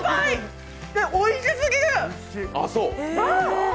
おいしすぎる！